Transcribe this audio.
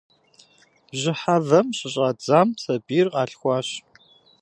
Бжьыхьэвэм щыщӏадзам сабийр къалъхуащ.